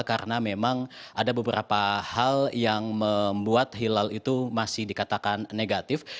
karena memang ada beberapa hal yang membuat hilal itu masih dikatakan negatif